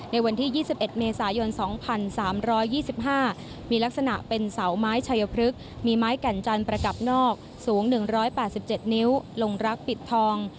ในวันที่๒๑เมษายน๒๓๒๕มีลักษณะเป็นเสาไม้ชัยพฤกษ์มีไม้แก่นจันทร์ประกับนอกสูง๑๘๗นิ้วลงรักปิดทอง